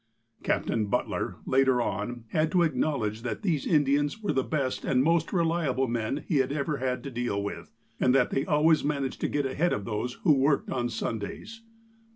Captain Butler, later on, had to acknowledge that these Indians were the best and most reliable men he ever had to deal with, and that they always managed to get ahead of those who worked on Sundays.